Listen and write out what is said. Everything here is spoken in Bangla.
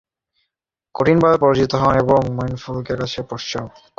তিনি কঠিনভাবে পরাজিত হন এবং মাইয়াফারিকীনের কাছে পশ্চাদপসরণ করেন।